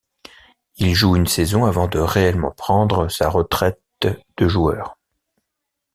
Il joue une saison avant de réellement prendre sa retraite de joueur.